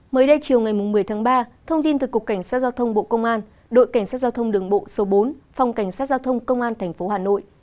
mới đây chiều ngày một mươi tháng ba thông tin từ cục cảnh sát giao thông bộ công an đội cảnh sát giao thông đường bộ số bốn phòng cảnh sát giao thông công an tp hà nội